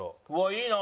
いいな。